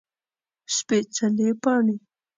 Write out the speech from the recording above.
سپيڅلي پاڼې